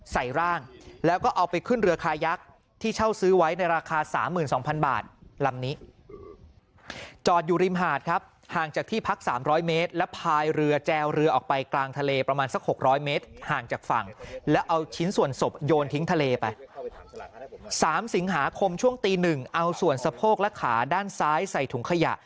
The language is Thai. ใส่ร่างแล้วก็เอาไปขึ้นเรือคายักษ์ที่เช่าซื้อไว้ในราคา๓๒๐๐บาทลำนี้จอดอยู่ริมหาดครับห่างจากที่พัก๓๐๐เมตรแล้วพายเรือแจวเรือออกไปกลางทะเลประมาณสัก๖๐๐เมตรห่างจากฝั่งแล้วเอาชิ้นส่วนศพโยนทิ้งทะเลไป๓สิงหาคมช่วงตีหนึ่งเอาส่วนสะโพกและขาด้านซ้ายใส่ถุงขยะ